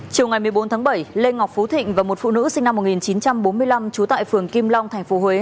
chiều ngày một mươi bốn tháng bảy lê ngọc phú thịnh và một phụ nữ sinh năm một nghìn chín trăm bốn mươi năm trú tại phường kim long tp huế